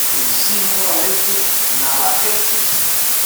Encima de la leche, nada eches.